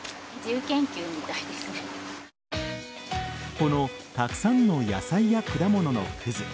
このたくさんの野菜や果物のくず。